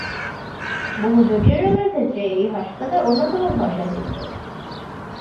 বহু জটিল রোগের ক্ষেত্রে এই হাসপাতাল অন্যতম ভরসা কেন্দ্র।